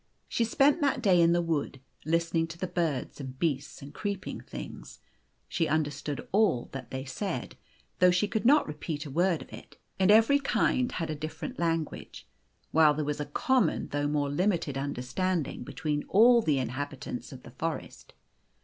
She spent that day in the wood, listening to the birds and beasts and creeping things. She understood all that they said, though she could not repeat a word of it ; and every kind had a different language, while there was a common though more limited understand ing between all the inhabitants of the forest.